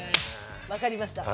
分かりました。